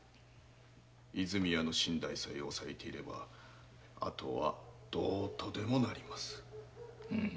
和泉屋の身代さえ押さえておけばあとはどうとでもなります。